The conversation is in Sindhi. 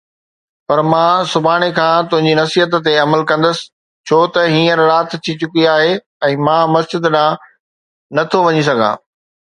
پر مان سڀاڻي کان تنهنجي نصيحت تي عمل ڪندس، ڇو ته هينئر رات ٿي چڪي آهي ۽ مان مسجد ڏانهن نه ٿو وڃي سگهان